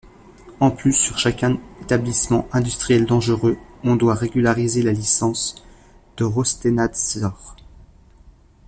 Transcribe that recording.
En plus sur chacun établissement industriel dangereux on doit régulariser la licence de Rostehnadzor.